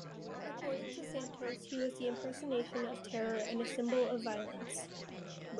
According to Santos, he was "the impersonation of terror and a symbol of violence".